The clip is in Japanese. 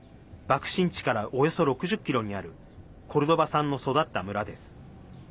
爆心地からおよそ６０ｋｍにあるコルドバさんの育った村です。